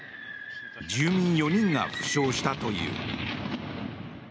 住民４人が負傷したという。